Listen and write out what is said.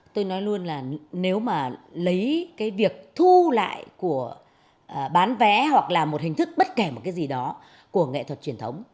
tôi nói luôn là nếu mà lấy cái việc thu lại của bán vé hoặc là một hình thức bất kể một cái gì đó của nghệ thuật truyền thống